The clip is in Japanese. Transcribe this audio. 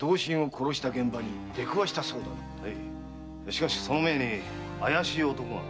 しかしその前に怪しい男が。